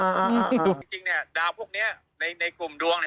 อ่าเห็นมั้ยอ๋อจริงจริงเนี้ยดาวพวกเนี้ยในในกลุ่มดวงเนี้ย